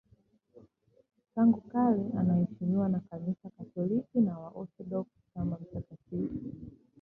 Tangu kale anaheshimiwa na Kanisa Katoliki na Waorthodoksi kama mtakatifu.